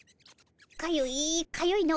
かゆいかゆいの。